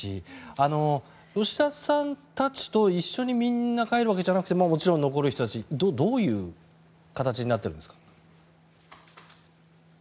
吉田さんたちと一緒にみんな帰るわけじゃなくてもちろん残る人たちどういう形になってるんですか？